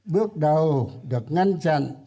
bước đầu được ngăn chặn